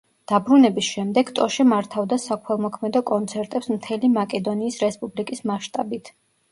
დაბრუნების შემდეგ, ტოშე მართავდა საქველმოქმედო კონცერტებს მთელი მაკედონიის რესპუბლიკის მასშტაბით.